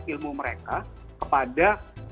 ilmu mereka kepada